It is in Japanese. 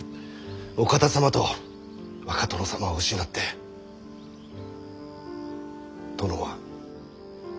お方様と若殿様を失って殿はお心が壊れた。